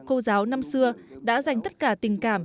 cô giáo năm xưa đã dành tất cả tình cảm